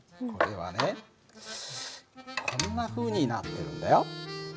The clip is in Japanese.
これはねこんなふうになってるんだよ。